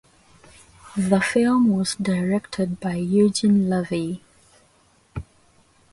The film was directed by Eugene Levy.